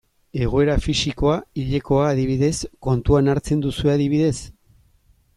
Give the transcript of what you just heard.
Egoera fisikoa, hilekoa, adibidez, kontuan hartzen duzue adibidez?